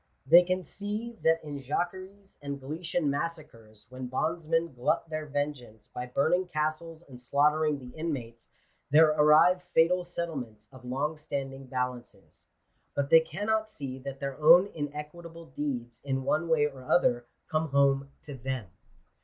They can see that in Jacqueries and Gallician massacres, when bondsmen glut their vengeance by burning castles and slaughtering the inmates, there arrive fatal settlements of long standing ba lances. But they cannot see that their own inequitable deeds, in one way or other, come home to them.